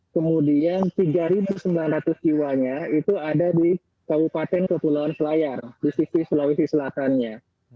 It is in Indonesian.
kemudian tiga sembilan ratus jiwanya itu ada di kabupaten kepulauan selayar di sisi sulawesi selatannya